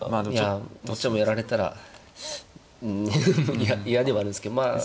いやどっちもやられたらうん嫌ではあるんですけどまあ。